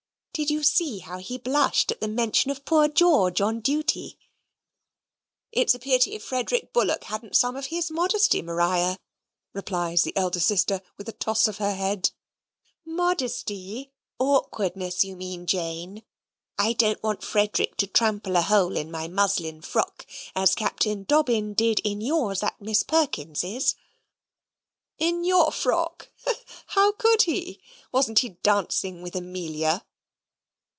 "Did you see how he blushed at the mention of poor George on duty?" "It's a pity Frederick Bullock hadn't some of his modesty, Maria," replies the elder sister, with a toss of he head. "Modesty! Awkwardness you mean, Jane. I don't want Frederick to trample a hole in my muslin frock, as Captain Dobbin did in yours at Mrs. Perkins'." "In YOUR frock, he, he! How could he? Wasn't he dancing with Amelia?"